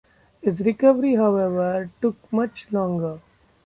His recovery however took much longer.